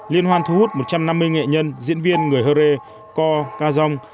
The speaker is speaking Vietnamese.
liên hoan thu hút một trăm năm mươi nghệ nhân diễn viên người hơ rê co ca rong